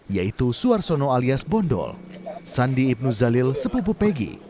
yaitu suarsono alias bondol sandi ibnu zalil sepupu pegi